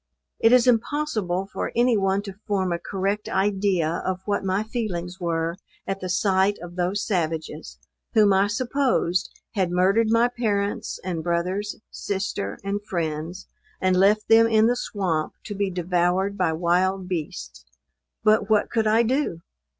It is impossible for any one to form a correct idea of what my feelings were at the sight of those savages, whom I supposed had murdered my parents and brothers, sister, and friends, and left them in the swamp to be devoured by wild beasts! But what could I do?